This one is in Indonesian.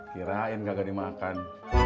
kirain gak ada dimakan